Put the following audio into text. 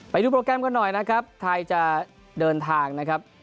ไปดูโปรแกรมกันหน่อยนะครับไทยจะเดินทางนะครับ